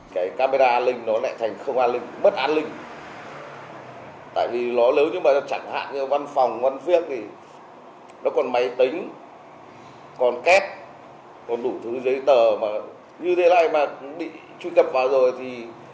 cái camera an ninh nó lại thành không an ninh bất an ninh tại vì nó lớn nhưng mà chẳng hạn như văn phòng văn viên thì nó còn máy tính còn kép còn đủ thứ giấy tờ mà như thế này mà bị truy cập vào rồi thì